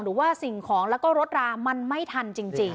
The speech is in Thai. หรือว่าสิ่งของแล้วก็รถรามันไม่ทันจริง